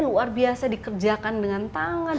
luar biasa dikerjakan dengan tangan